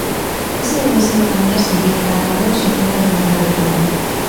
Ese debe ser o camiño a seguir para acadar o obxectivo de mudalo todo.